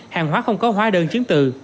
hàng hóa không có hóa đơn chiếm tự